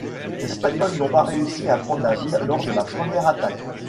Les Espagnols n'ont pas réussi à prendre la ville lors de la première attaque.